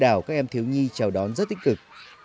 đảo các em thiếu nhi chào đón rất tích cực